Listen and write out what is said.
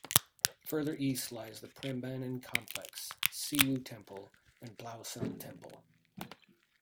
Further east lies the Prambanan complex, Sewu temple, and Plaosan temple.